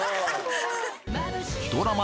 ドラマ